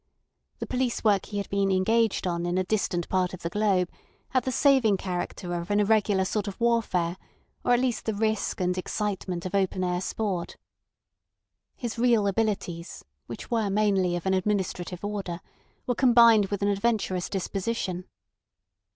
The police work he had been engaged on in a distant part of the globe had the saving character of an irregular sort of warfare or at least the risk and excitement of open air sport. His real abilities, which were mainly of an administrative order, were combined with an adventurous disposition.